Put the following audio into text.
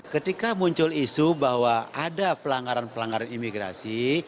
ketika muncul isu bahwa ada pelanggaran pelanggaran imigrasi